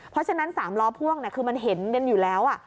เพราะฉะนั้น๓ล้อพ่วงคือมันเห็นกันอยู่แล้ว